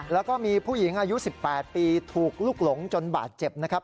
แล้วก็มีผู้หญิงอายุ๑๘ปีถูกลูกหลงจนบาดเจ็บนะครับ